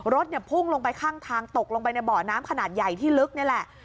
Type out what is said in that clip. รถเนี่ยพุ่งลงไปข้างทางตกลงไปในเบาะน้ำขนาดใหญ่ที่ลึกนี่แหละ